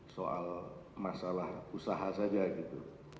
soal masalah usaha saja gitu